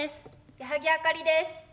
矢作あかりです。